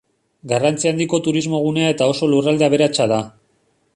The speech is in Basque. Garrantzi handiko turismo gunea eta oso lurralde aberatsa da.